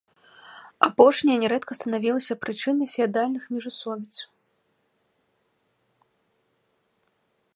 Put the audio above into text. Апошняе нярэдка станавілася прычынай феадальных міжусобіц.